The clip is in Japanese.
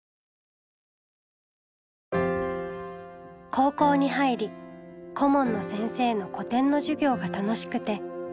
高校に入り顧問の先生の古典の授業が楽しくて文学部に入部。